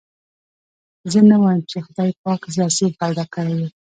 زه نه وايم چې خدای پاک زه اصيل پيدا کړي يم.